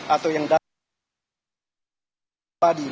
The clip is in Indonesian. atau yang datang dari manusia